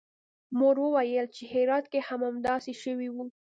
مور ویل چې هرات کې هم همداسې شوي وو